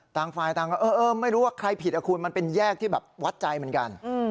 ต่างฝ่ายต่างก็เออไม่รู้ว่าใครผิดอ่ะคุณมันเป็นแยกที่แบบวัดใจเหมือนกัน